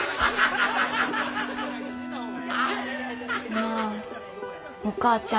なあお母ちゃん。